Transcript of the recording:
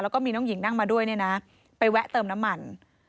แล้วก็มีน้องหญิงนั่งมาด้วยเนี่ยนะไปแวะเติมน้ำมัน